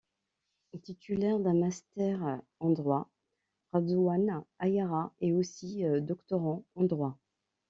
Titulaire d'un master en droit, Radhouane Ayara est aussi doctorant en droit.